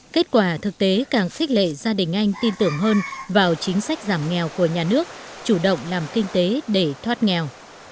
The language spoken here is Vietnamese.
kết quả thực tế càng khích lệ gia đình anh tin tưởng hơn vào chính sách giảm nghèo của nhà nước chủ động làm kinh tế để thoát nghèo